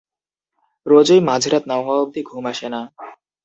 রোজই মাঝরাত না হওয়া অবধি ঘুম আসে না।